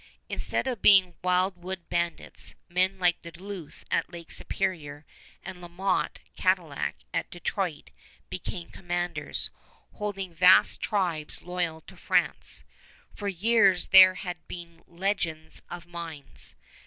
Instead of being wild wood bandits, men like Duluth at Lake Superior and La Motte Cadillac at Detroit became commanders, holding vast tribes loyal to France. For years there had been legends of mines.